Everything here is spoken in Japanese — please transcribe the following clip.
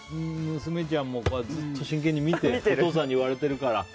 娘ちゃんも真剣に見てお父さんに言われてるから。